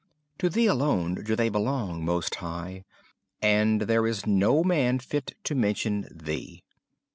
To Thee alone do they belong, most High, And there is no man fit to mention Thee.